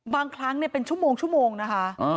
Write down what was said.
บางครั้งเป็นชั่วโมงนะคะ